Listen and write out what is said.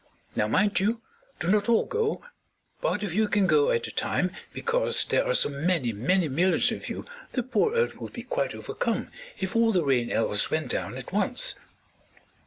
"Now, mind you, do not all go. Part of you can go at a time, because there are so many, many millions of you; the poor Earth would be quite overcome if all the Rain Elves went down at once."